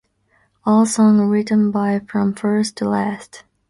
All songs written by From First to Last.